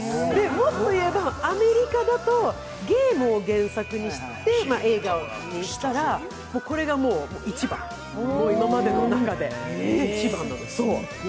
もっと言えばアメリカだとゲームを原作にして映画にしたら、これがもう１番、今までの中で１番なの。